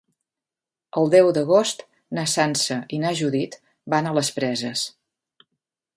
El deu d'agost na Sança i na Judit van a les Preses.